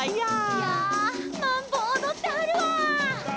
「いゃあマンボおどってはるわ」